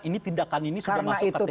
ini tindakan ini sudah masuk kategori